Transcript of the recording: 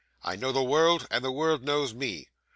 I know the world, and the world knows me.